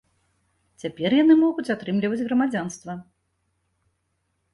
Цяпер яны могуць атрымліваць грамадзянства.